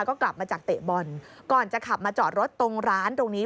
ก็กลับมาจากเตะบอลก่อนจะขับมาจอดรถตรงร้านตรงนี้